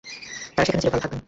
তারা সেখানে চিরকাল থাকবেন।